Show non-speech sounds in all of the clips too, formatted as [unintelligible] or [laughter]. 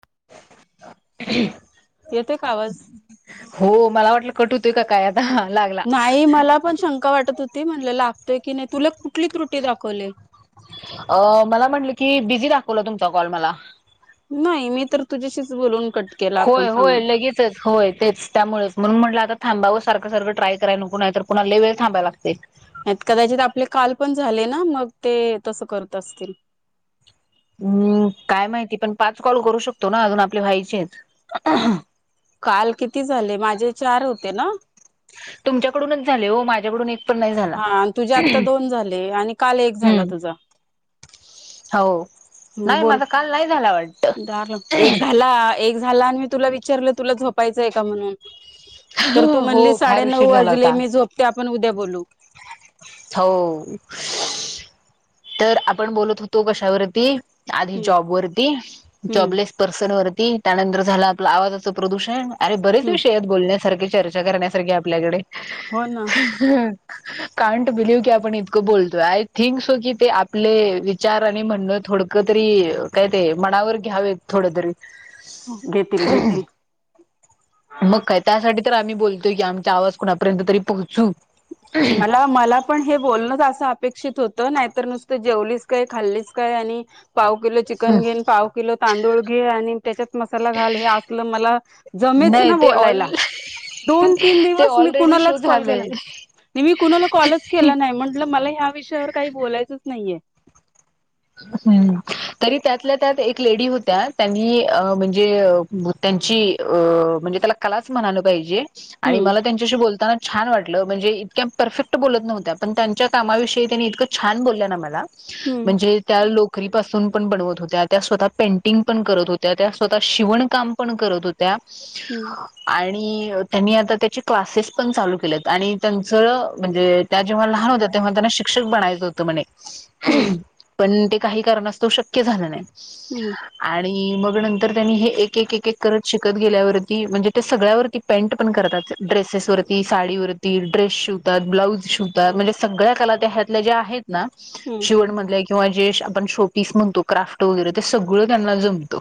[inaudible] येतोय का आवाज? हो मला वाटलं कट होतेय काय आता लागला नाही मला पण शंका वाटत होती म्हणलं लागतोय की नाही तुला कुठली त्रुटी दाखवली. अ मला म्हटलं की बिझी दाखवलं तुमचा कॉल मला नाही मी तर तुझ्याशीच बोलून कट केला आपण होय होय सांगून. लगेचच होय, तेच त्यामुळेच म्हणून म्हंटलं आता थांबावं सारखं सारखं ट्राय करायला नको, नाही तर पुुन्हा लय वेळ थांबाय लागते. यात कदाचित आपले काल पण झाले ना, मग ते तसं करत असतील. हम्म काय माहिती पण पाच कॉल करू शकतो ना, अजून आपले व्हायचेच. काल किती झाले? माझे चार होते ना? तुमच्याकडूनच झाले हो, माझ्याकडून एक पण नाही झाला हा आणि तुझे आत्ता दोन झाले आणि काल एक झाला हम्म तुझा. हो हम् नाही बोल, माझा काल नाही झाला वाटत दार लाव एक झाला. एक झाला आणि मी तुला विचारलं, तुला झोपायचंय का म्हणून. तर तू म्हणली हो फार साडे नऊ उशीर झाला वाजले, होता मी झोपते आपण उद्या बोलू हो तर आपण बोलत होतो कशावरती. आधी हम्म जॉब वरती, हम्म जॉबलेस पर्सन वरती, त्यानंतर झालं आपलं आवाजाचं प्रदूषण. अरे बरेच हम्म विषय आहेत बोलण्यासारखे चर्चा करण्यासारखे आपल्याकडे. हो ना कांट बिलीव्ह की आपण इतकं बोलतोय, आय थिंक सो की ते आपले विचार आणि म्हणणं थोडकं तरी काय ते,. मनावर घ्यावेत थोड तरी घेतील घेतील. मग काय त्यासाठी तर आम्ही बोलतोय की आमचा आवाज कोणा पर्यंत तरी पोहोचू. मला मला पण हे बोलणच असं अपेक्षित होत नाहीतर नुसतं जेवलीस काय? खाल्लीस काय? आणि पाव किलो चिकन घेनं, पाव किलो तांदूळ घे, आणि त्याच्यात मसाला घाल हे असलं मला मीच नाही ना ते ऑल बोलायला दोन तीन ते दिवस मी ऑलरेडी शो कुणालाच कॉल केला झालंय नाय. नही मी कुणाला कॉलच केला नाही म्हंटलं, मला ह्या विषयावर काही बोलायचंच नाहीये. हम्म. तरी त्यातल्या त्यात एक लेडी होत्या. त्यांनी अं म्हणजे [unintelligible] त्यांच म्हणजे त्याला कलाच म्हणालं पाहिजे आणि हम्म मला त्यांच्याशी बोलताना छान वाटलं म्हणजे इतक्या परफेक्ट बोलत नव्हत्या, पण त्यांच्या कामाविषयी त्यांनी इतकं छान बोललं ना मला. हम्म म्हणजे? लोकरीपसून पण बनवत होत्या. त्या स्वतः पेंटिंग पण करत होत्या. त्या स्वतः शिवण काम पण करत होत्या. त्या हम्म आणि त्यांनी आता त्याचे क्लासेस पण चालू केले आणि त्यांचं म्हणजे त्या जेव्हा लहान होत्या, तेव्हा त्यांना शिक्षक बनायचं होत म्हणे. हम्म पण ते काही कारणास्तव शक्य झालं नाही हम्म आणि मग न तर त्यांनी हे एकेक एक करत शिकत गेल्यावरती म्हणजे ते सगळ्यावरती पेंट पण करतात. ड्रेसेस वरती, साडीवरती, ड्रेस शिवतात, ब्लॉऊज शिवतात, म्हणजे सगळ्या कला त्या ह्यातल्या ज्या आहेत ना, हम्म शिवण मधल्या किंवा जे आपण शो पीस म्हणतो क्राफ्ट वगैरे ते सगळं त्यांना जमतं.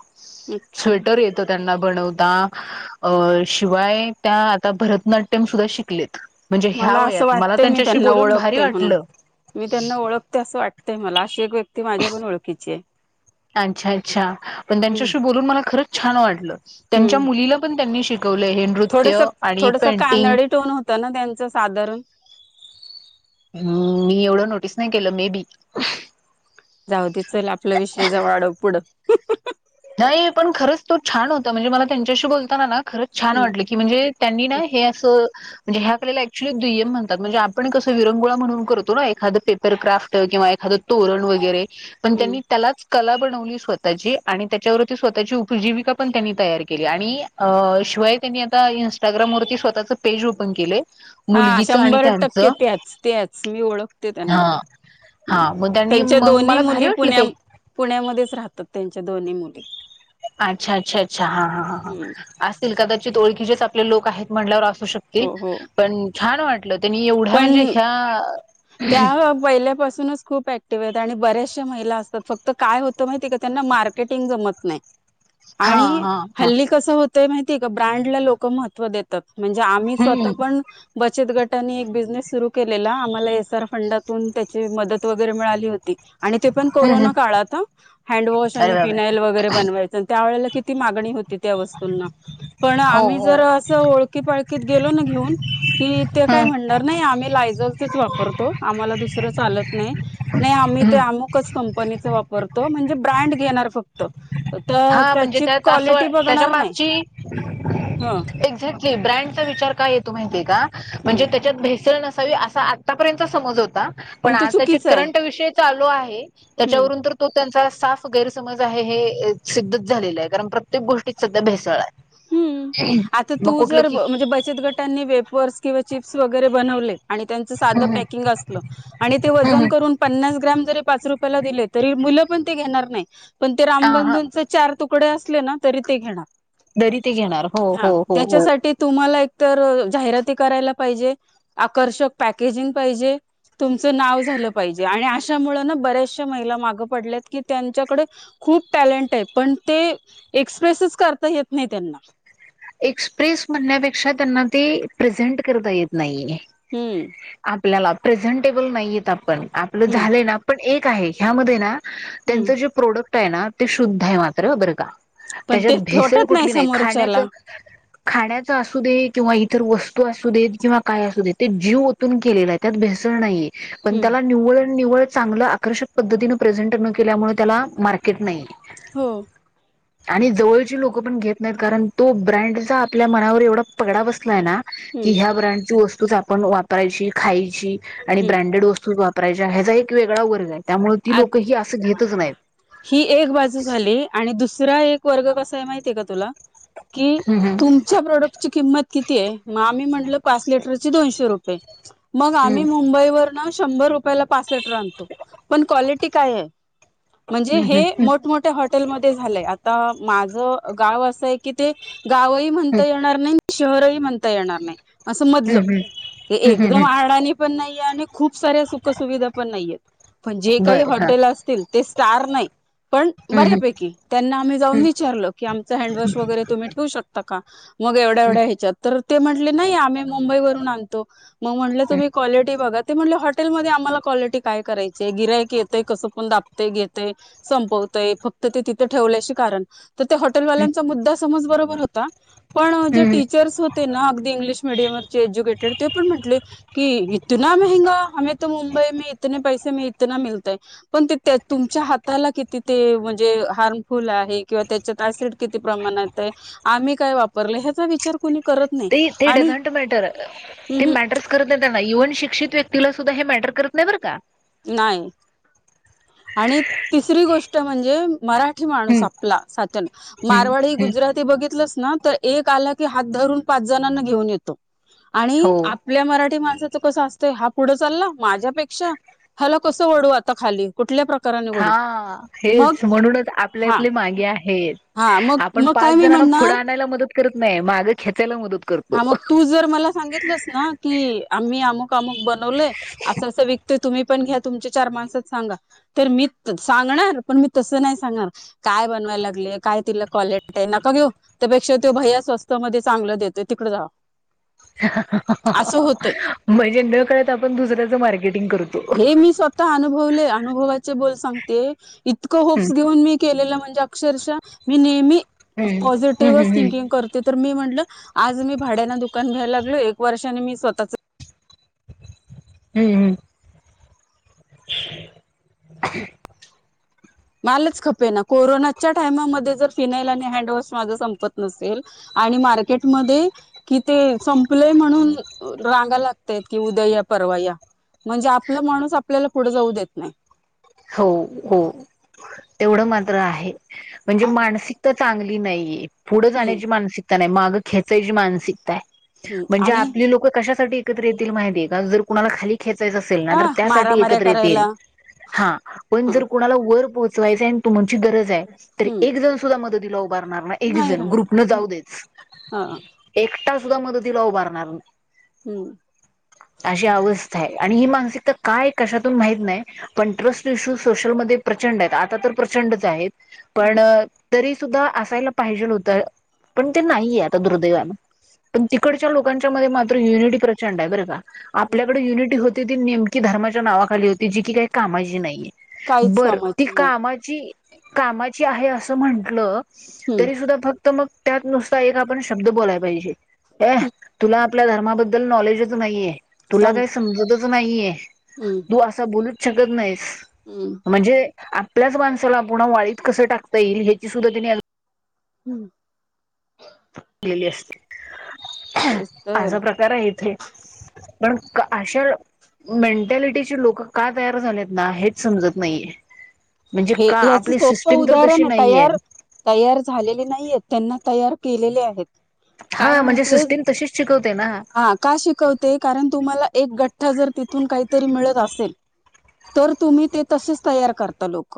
अच्छा स्वेटर येतो त्यांना. बनवता शिवाय त्या आता भरतनाट्यम सुद्धा शिकलेत. म्हणजे ह्या मला असं वयात मला वाटतंय मी त्यांच्याशी त्यांना बोलून भारी ओळखते म्हणून वाटलं. मी त्यांना ओळखते असं वाटतय मला अशी एक व्यक्ती माझ्या पण ओळखीची आहे. अच्छा अच्छा पण हम्म त्यांच्याशी बोलून मला खरच छान वाटलं. त्यांच्या मुलीला पण त्यां थोडसक थोडसं कानडी टोन होत ना त्यांचं साधारण. हम् मी एवढं नोटीस नाही केलं मे बी. जाऊ दे चल आपला विषय जवळ अडव पुढं हम्म, नाही पण खरंच तो छान होता. म्हणजे मला त्यांच्याशी बोलताना ना. खरंच छान वाटलं की म्हणजे त्यांनी ना हम्म, हे असं. म्हणज ह्या आपल्याला ऍक्च्युली दुय्यम म्हणतात. म्हणजे आपण कसं विरंगुळा म्हणून करतो ना, एखादा पेपरक्राफ्ट किंवा तोरण वगैरे पण हम्म. त्यांनी त्यालाच कला बनवली स्वतःची. आणि त्याच्यावरती स्वतःची उपजीविका पण त्यांनी तयार केली. आणि शिवाय त्यांनी आता इन्स्टाग्राम मू स्वतःजचं पन के हा शंभर टक्के त्याच त्याच मी ओळखते हा त्यांना. ह् हा मग त्यांनी त्यांच्या मग दोन्ही मला भारी मुली वाटलं पुण्या ते पुण्यामध्येच राहतात. त-त्यांच्या दोन्ही मुली अच्छा अच्छा अच्छा हा हा ह हा हम्म, असतील कदाचित ओळखीचेच आपले लोक आहेत म्हणल्यावर शक्ये हो हो पण छान वाटलं त्यांनी एवढ्या पण म्हणजे ह्या त्या पहिल्यापासूनच खूप आणि बऱ्याचशा महिला असतात फक्त काय होत माहिती का त्यांना मार्केटिंग जमत नाही. हा आणि हा हा हल्ली कस होत. ते माहिती आहे का ब्रँडला लोक महत्त्व देतात म्हणजे आम्ही हम्म स्वतः पण बचत गटाने एक बिझनेस सुरू केलेला आम्हाला एस आर फंडातून त्याची मदत वगैरे मिळाली होती. आणि ते पण हम्म कोरोना काळात हं हँडवॉश अरे आणि बाबा फिनाइल वगैरे बनवायचं अन् त्यावेळेला कि मागणी होती त्या वस्तूंना पण हो आम्ही हो जर अस ओळखीपाळकीत. गेलो ना घेऊन की ते काय हम्म म्हणणार नाही आम्ही लायझॉलच च वापरतो आम्हाला दुसरं चालत. नाही नाही आम्ही ते हम्म अमुकच कंपनीच वापरतो म्हणजे ब्रँड घेणार फक्त तर हा म्हणजे त्याची त्यात अस क्वालिटी त्याच्या बघणार नाही मागची ह एक्झॅक्ट [unintelligible] ब्रँडचा विचार का येतो माहितीये का हम्म म्हणजे त्याच्यात भेसळ नस सावी असं आतापर्यंत समज होता पण तो आता ची चुकीचा आहे करंट विषय चालू आहे. हम्म त्याच्यावरून तर तो त्यांचा साफ गैरसमज आहे हे. सिद्धच झालेलं आहे कारण प्रत्येक गोष्टीत सध्या भेसळ आहे. हम्म. आता तू मग कुठलं जर की म्हणजे बचत गटांनी वेपर्स किंवा चिप्स वगैरे बनवले आणि त्याचं साध [unintelligible] हम्म पॅकिंगला असलं आणि ते वजन हम्म करून पन्नास ग्रॅम जरी पाच रुप पयला दिले तरी मुलं पण ते घेणार नाही पण ते हा रामबंधूच चार तुक कडे असले ना तरी ते घेणार. दरी ते घेणार हो हो हा हो हो त्याच्यासाठी तुम्हाला एक तर जाहिराती करायला पाहिजे आकर्षक पॅकेजिंग पाहिजे. तुमचं नाव झालं पाहिजे आणि अशामुळे ना बऱ्याचशा महिला मागं पडल्यात की त्यांच्याकडे खूप टॅलेंट आहे पण ते एक्सप्रेसच करता येत नाही त्यांना एक्सप्रेस म्हणण्यापेक्षा त्यांना ते प्रेझेंट करता येत नाहीे. हम्म. आपल्याला प्रेझेंटेबल नाहीयेत आपण आपलं हम्म झालं ना पण एक आहे ह्यामध्ये ना. हम्म त्यांच जे प्रोडक्ट आहे ना ते शुद्ध आहे मात्र बर. पण ते पटत नाही समोरच्याला खाण्याचा असू दे किंवा इतर वस्तू असू देेत किंवा काय असू दे ते जीव ओतून केलेला आहे त्यात भेसळ नाहीये पण हम्म त्याला निव्वळ निवळ चांगलं आकर्षक पद्धतीनं प्रेझेंट न केल्यामुळे त्याला मार्केट नाही. हो आणि जवळची लोक पण घेत नाहीत कारण तो ब्रँडचा आपल्या मनावर एवढा पगडा बसलाय ना, की हम्म ह्या ब्रँडची वस्तूच आपण वापरायची खायची आणि हम्म ब्रँडेड वस्तू, राय ह्याचा एक वेगळा वर्ग आहे त्यामुळे ती आ लोक ही असं घेतच नाहीत. ही एक बाजू झाली आणि दुसरा एक वर्ग कसा आहे माहिती आहे का तुला कि हम्म तुमच्या प्रोडक्टची किंमत किती आहे मग आम्ही म्हण टलं पाच लीटर ची दोनशे रुपये मग आम्ही हम्म मुंबईवर्ण शंभर रुपये ला पाच ली टर आणतो पण क्वालिटी काये म्हणजे हम्म हे मोठमोठ्या हॉटेलमध्ये झालंय आता माझं गाव असं आहे की ते गावही म्हणता येणार नाही शहरही म्हणता येणार नाही. असं हम्म मधलं हम्म हे हम्म हम्म हम्म एकदम हम्म आडाणी पण नाहीये, आणि खूप साऱ्या सुखसुविधा पण नाहीयेत. पण जे काही बर हा हॉटेल असतील ते स्टार नाही. पण हम्म हम्म बऱ्यापैकी त्यांना आम्ही जाऊन हम्म विचारलं की आमचं हँडवॉश वगैरे तुम्ही ठेवू शकता का मग एवढ्या एवढ्या हम्म ह्याच्यात तर, ते म्हटले नाही आम्ही मुंबईवरून आणतो मग म्हटलं तुम्ही क्वालिटी बघा,, ते म्हटले हॉटेलमध्ये आम्हाला क्वालिटी काय करायचीय गिरायक येतंय कसपन दाब ते घेतय संपवतंय फक्त ते तिथे ठेवल्याशी कारण तर तो हम्म हॉटेलवाल्यांचा मुद्दा, सम बरोबर होता [inaudible] पण जे हम्म टीचर्स होते ना अगदी इंग्लिश मीडियमवररचे एज्युकेटेड ते पण म्हटले की इतना, ह मेहंगा आम त मुंबई म इतने पैसे म इतना मिळतय पण ते त्या, तुमच्या हाताला किती ते म्हणजे हार्मफुल आहे किंवा त्याच्यात ऍसिड किती प्रमाणात आहे, आम्ही काय वापरलं ह्याचा विचार, कोणी करत नाही [inaudible] ते ते आणि डझं्ट ट मॅटर ते उहुं, मॅटर करत नाही त्यांना इव्हन, शिक्षित व्यक्तीला सुद्धा हे मॅटर करत नाही बर का [inaudible] नाहीय [inaudible] आणि तिसरी गोष्ट म्हणजे मराठी माणूस हम्म आपला सातन हम्म मारवाडी हम्म गुजरात [inaudible] कधी बघितलं च नाही, हा तर एक आला की हात धरून पाच जणांना घेऊन येतो आणि हो आपल्या मराठी माण, स च कस असत हा पुढ चालला माझ्यापेक्षा हेला कसउडू आता खाली कुठल्या, प्रकाराने हा वढू मग हेच म्हणूनच हा आपल्यातले मागे आहेत हा मग आपण मग पाच काय मी जण, ग पुढं म्हणणार आणायला मदत करत नाही मागं खेचायला मदत, करतो. हा मग तू जर मला सांगितलंस ना की आम्ही अमुक अमुक बनवलय असं असं वत, तुम्ही पण घ्या तुम चार माण सांगा तर मी सांगणार पण मी त नाही सांगणार बनवायला लागले, काय तिला क्वालिट आहे नका घेऊ त्यापेक्षा तो भैया स्वस्त मध्ये चांगलं देतोय तिकडें जा [inaudible] मजे नक आपण दुसऱ्याच मार्केटिंग कर [inaudible] हे मी स्वतः अनुभवले अनुभवाचे बोल सांगते इतकं हम्म होप्स घेऊन मी केलेलं म्हण अक्षशः मी नेहमी हम्म हम्म पॉझिटिव्ह हम्म हम्म थिंकिंग करते तर मी म्हटलं [inaudible] आज मी भाड्याना दुकान घ्यायला लागलो एक वर्षाने मी स्वतःच [inaudible] हम्म हम्म [inaudible] [inaudible] [inaudible] मलाच खपे ना कोरोनाच्या टायमामध्ये जर फिनाईल आणि हँडवॉश माझ संपत नसेल आणि मार्केटमध्ये कि ते संपलेय म्हणून रांगा लागतय कि उद्याण म्हणजे आपल माणूस आपल्याला पुढे जाऊ देत नाही. [inaudible] [inaudible] हो हो तेवढं मात्र आहे म्हणजे हा मानसिकता चांगली नाहीये पुढं हम्म जाण्याची मानसिक, माग ख्याचायची मानसिकता आहे हम्म म्हणजे आणि आपली लोक कशासाठी, एकत्र ये माहिती का जर कुणाला खाली खेचायचं असेल ना तर हा त्यासाठी मारामाऱ्या एकत्र येतील. करायला हा पण ह जर कुणाला वर पोहोचवायचंय आणि तु.... गरज हम्म एकजण सुधा मदतीला उभारणारण नाही ग्रुप जाऊ दे.. हा मदतीला उभारणार नाही हम्म अशी अवस्था आहे मानसिक काय कशातून माहीत नाही.. पण ट्रस्ट इशू सोशलमध्येध्ये प्रचंड आहेत आता तर प्रचंडच आहेत हम्म पण.... तरी सुद्धा असायला पाहिजे नव्हतं पण ते नाहीये आता दुर्दैवान.. पण तिकडच्या लोकांच्या मध्ये मात्र युनिटी प्रचंड आहे बरं का... आपल्याकडे युनिटी होती ती नेमकी धर्माच्या नावाखाली होती जी की काही कामाची नाहीये.. काहीच बर ती कामाचे नाही कामाची कामाची आहे असं म्हण.. म्हणटल हम्म तरी सुद्धा फक्त मग त्यात नुसता एक आपण शब्द बोलाय पाहिजे.... [inaudible] अ तुला आपल्या धर्माबद्दल नॉलेजच नाहीये तुला सम काही समजतच नाहीये हम्म तू असा बोलूच शकत नाहीस. हम्म म्हणजे आपल्याच माणसाला पुन्हा वाळीत कसं टाकता येईल ह्याची सुद्धा त्यांनी... हम्म [inaudible] ली असते तेच तर असा प्रकार आहे इथे पण अशा मेंटॅलिटीची लोक का तयार झालेत ना हेच समजत नाहीये. म्हणजे हे का याच आपली सोप सिस्टीम तर तशी उदाहरण नाहीये. तयार तयार झालेले नाही आहेत त्यांना... तयार केलेले आहेत. काय हा म्हणजे माहितीय सिस्टीम तशीच शिकवते ना. हा का शिकवते कारण तुम्हाला एक गठ्ठा जर तिथून काहीतरी मिळत असेल. तर तुम्ही ते तसेच तयार करता लोक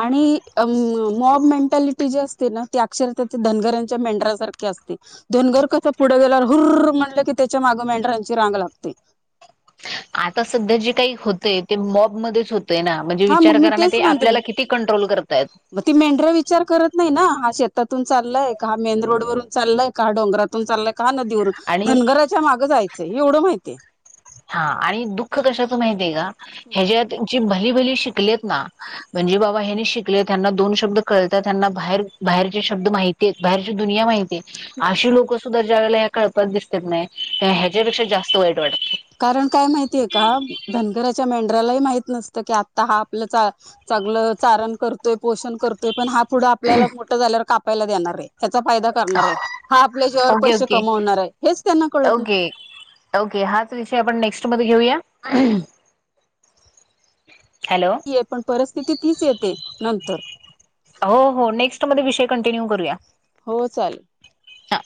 आणि.... अम मॉब मेंटॅलिटी जी असते.. तेना ती अक्षर धनगरांच्या मेंढराारख असते धनगर कसं पुढे गेल्यावर हुररर... म्हणलं की त्याच्या माग मेंढरांची रांग लागते. आता सध्या जे काही होतय ते मॉबमध्येच होत हा मग मी तेच म्हनते कंट्रोल करतायत. मग ती मेंढ्र विचार करत नाही ना. शेतातून चालय, का मेन रोड वून चालय, का डोंगरातून चालय, का नदीवरून आणि धनगराच्या मागं जायचं एवढं माहितीय. हा आणि दुःख कशाच माहितीहाय का ह्याजात... जे भली भली शिकले ना म्हणजे बाबा हेणी शिकले ह्याना दोन शब्द कळतेत त्यांना बाहेर.... बाहेरचे शब्द माहती आहेत बाहेरची दुनिया माहिती आहे. अशी लोकं सुद्धा ज्या वेळेला ह्या कळपत दिसत नाय ह्याच्यापेक्षा जास्त वाईट वाटते. कारण काय माहितीये का धनगराच्या मेढया.... धनगरला माहित नसत की आता हा आपलं चा चांगल चारण करतोय पोषण करतोय. पण हा फुढं आपल्याला मोठं झाल्यावर कापायला देणार आहे. चा फायदा करणाराय हा आपल्या जीवावर ओके पैसे ओके कमवणार हेच त्यांना कळत नाही. ओके ओके हाच विषय आपण नेक्स्ट मध्ये घेऊया. हॅलो पण परिस्थिती तीच येते नंतर. हो हो नेक्स्ट मध्ये विषय कंटिन्यू करूया. हो चालेल. ह.